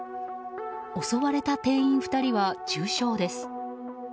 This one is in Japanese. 襲われた店員２人は重傷です。